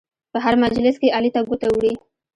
په هر مجلس کې علي ته ګوته وړي.